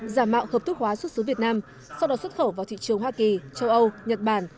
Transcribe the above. giả mạo hợp thức hóa xuất xứ việt nam sau đó xuất khẩu vào thị trường hoa kỳ châu âu nhật bản